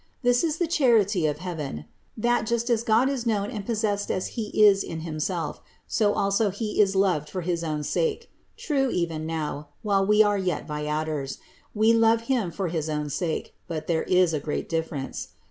This is the charity of heaven, that, just as God is known and possessed as He is in Himself, so also He is loved for his own sake. True, even now, while we are yet viators, we love Him for his own sake ; but there is a great difference.